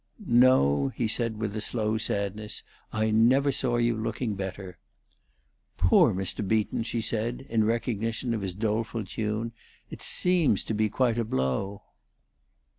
"No," he said, with a slow sadness; "I never saw you looking better." "Poor Mr. Beaton!" she said, in recognition of his doleful tune. "It seems to be quite a blow."